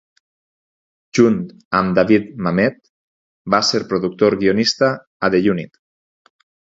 Junt amb David Mamet, va ser productor guionista a "The Unit".